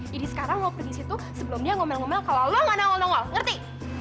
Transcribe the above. jadi sekarang lo pergi ke situ sebelum dia ngomel ngomel kalau lo gak nangol nangol ngerti